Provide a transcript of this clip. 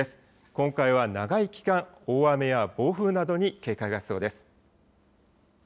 今回は長い期間、大雨や暴風などに警戒が必要です。